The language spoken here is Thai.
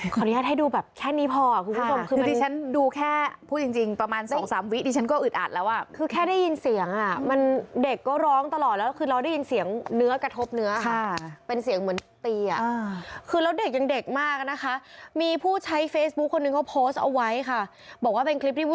อนุญาตให้ดูแบบแค่นี้พอคุณผู้ชมคือดิฉันดูแค่พูดจริงจริงประมาณสองสามวิดิฉันก็อึดอัดแล้วอ่ะคือแค่ได้ยินเสียงอ่ะมันเด็กก็ร้องตลอดแล้วคือเราได้ยินเสียงเนื้อกระทบเนื้อค่ะเป็นเสียงเหมือนตีอ่ะคือแล้วเด็กยังเด็กมากนะคะมีผู้ใช้เฟซบุ๊คคนนึงเขาโพสต์เอาไว้ค่ะบอกว่าเป็นคลิปที่ว